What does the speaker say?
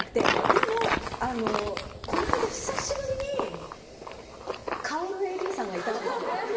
でも、この間、久しぶりに香るＡＤさんがいたんです。